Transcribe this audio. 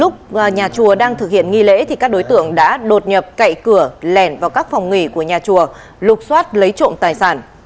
khi thực hiện nghi lễ thì các đối tượng đã đột nhập cậy cửa lèn vào các phòng nghỉ của nhà chùa lục xoát lấy trộm tài sản